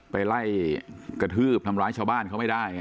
ไปไล่กระทืบทำร้ายชาวบ้านเขาไม่ได้